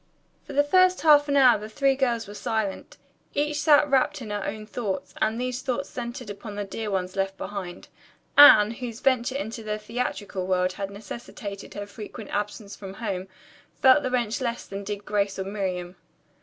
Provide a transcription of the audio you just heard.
For the first half hour the three girls were silent. Each sat wrapped in her own thoughts, and those thoughts centered upon the dear ones left behind. Anne, whose venture into the theatrical world had necessitated her frequent absence from home, felt the wrench less than did Grace or Miriam.